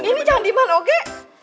ini jangan diman oke